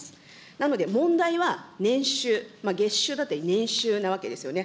なので、問題は年収、月収だったり年収なわけですよね。